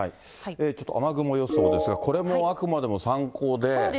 ちょっと雨雲予想ですが、これもあくまでも参考で。